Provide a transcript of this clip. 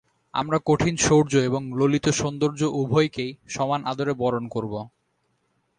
আমরা কঠিন শৌর্য এবং ললিত সৌন্দর্য উভয়কেই সমান আদরে বরণ করব।